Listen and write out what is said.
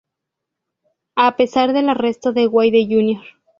A pesar del arresto de Wade Jr.